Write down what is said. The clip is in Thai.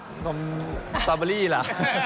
ใครจะน้ำสาบอรี่ล่ะ